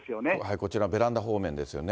こちら、ベランダ方面ですよね。